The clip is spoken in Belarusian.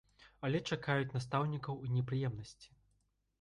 Але чакаюць настаўнікаў і непрыемнасці.